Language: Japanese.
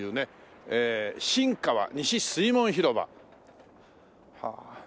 「新川西水門広場」はあ。